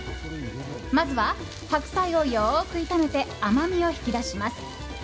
まずは、白菜をよく炒めて甘みを引き出します。